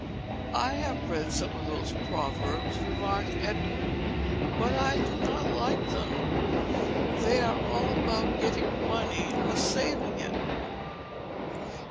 "I have read some of those proverbs," remarked Edward; "but I do not like them. They are all about getting money, or saving it."